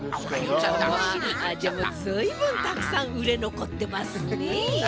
じゃあずいぶんたくさんうれのこってますね。